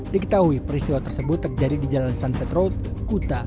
diketahui peristiwa tersebut terjadi di jalan sunset road kuta